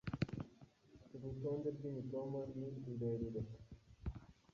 Urutonde rw’imitoma ni rurerure